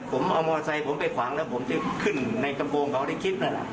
ผมเอามอไซค์ผมไปขวางแล้วผมจะขึ้นในกระโปรงเขาในคลิปนั่นแหละ